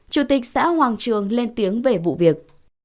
chủ tịch xã hoàng trường lên tiếng về vụ việc